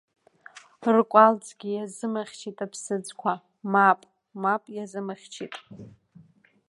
Ркәалӡгьы иазымыхьчеит аԥсыӡқәа, мап, мап, иазымыхьчеит…